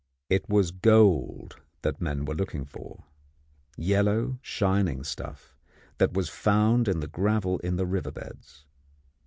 It was gold that the men were looking for, yellow, shining stuff that was found in the gravel in the river beds.